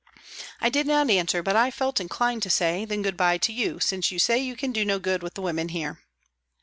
I did not answer, but I felt inclined to say " Then good bye to you. since you say you can do no good with the women here."